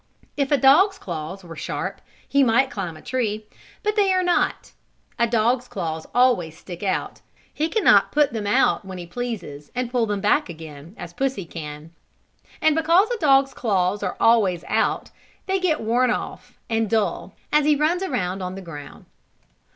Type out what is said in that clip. If a dog's claws were sharp he might climb a tree, but they are not. A dog's claws always stick out; he can not put them out when he pleases and pull them back again, as pussy can. And because a dog's claws are always out they get worn off, and dull, as he runs around on the ground.